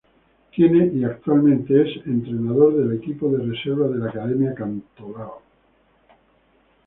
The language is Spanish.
Tiene y actualmente es entrenador del equipo de Reserva de la Academia Cantolao.